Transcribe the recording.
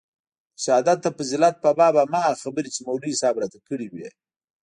د شهادت د فضيلت په باب هماغه خبرې چې مولوي صاحب راته کړې وې.